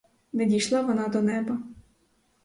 Не дійшла вона до неба!